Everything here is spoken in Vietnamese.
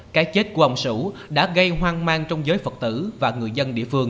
cái chết của ông sửu đã gây hoang mang trong giới phật tử và người dân địa phương